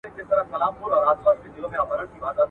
زه له سهاره قلم استعمالوموم!